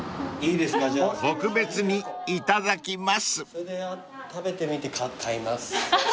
それで食べてみて買います。